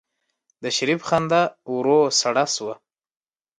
د شريف خندا ورو سړه شوه.